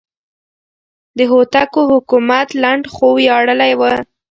د هوتکو حکومت لنډ خو ویاړلی و.